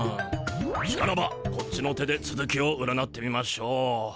しからばこっちの手でつづきを占ってみましょう。